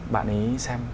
bạn ấy xem